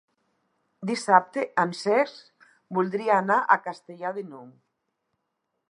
Dissabte en Cesc voldria anar a Castellar de n'Hug.